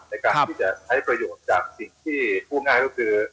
ในการที่จะใช้ประโยชน์จากสิ่งที่พูดง่ายก็คือ